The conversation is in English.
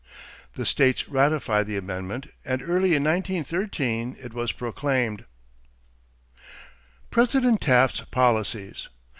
The states ratified the amendment and early in 1913 it was proclaimed. =President Taft's Policies.